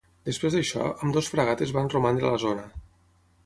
Després d'això, ambdues fragates van romandre a la zona.